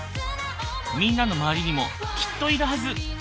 みんなの周りにもきっといるはず。